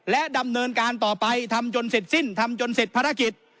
ดำเนินการต่อไปทำจนเสร็จสิ้นทำจนเสร็จภารกิจ